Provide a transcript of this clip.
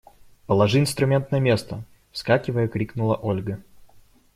Положи инструмент на место! –вскакивая, крикнула Ольга.